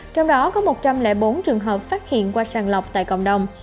trong đó có một trăm linh bốn trường hợp phát hiện qua sàng lọc tại cộng đồng